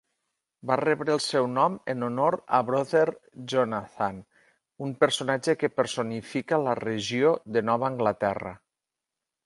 Va rebre el seu nom en honor a Brother Jonathan, un personatge que personifica la regió de Nova Anglaterra.